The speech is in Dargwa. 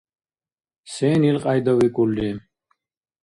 Сен илкьяйда викӀулри?